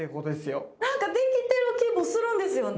何かできてる気もするんですよね。